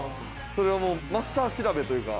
それはもうマスター調べというか。